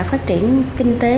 phát triển kinh tế